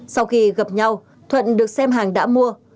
sau khi gặp nhau thuận được xem hàng đã mua